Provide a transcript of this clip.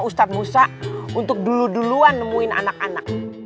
untuk menupple terekan pilihan kita